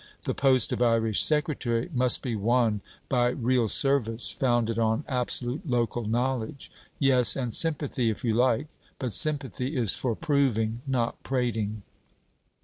The post of Irish Secretary must be won by real service founded on absolute local knowledge. Yes, and sympathy, if you like; but sympathy is for proving, not prating....